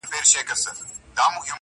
په شینوارو کې هم شته پَکې پښنې